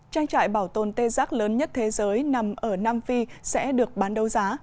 trang trại bảo tồn tê giác lớn nhất thế giới nằm ở nam phi sẽ được bán đấu giá